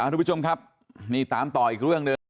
ทุกผู้ชมครับตามต่ออีกเรื่องเดิม